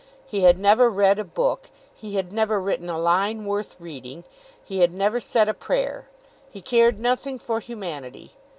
He had never read a book. He had never written a line worth reading. He had never said a prayer. He cared nothing for humanity.